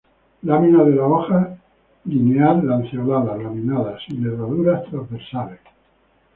Láminas de las hojas linear-lanceoladas; laminadas; sin nervadura transversales.